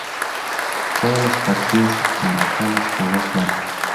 Todos los partidos de como local los jugó fuera.